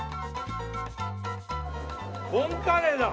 ボンカレーだ！